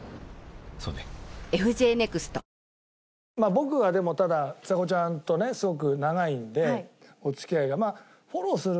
僕はでもただちさ子ちゃんとねすごく長いのでお付き合いが。